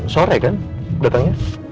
sore kan datangnya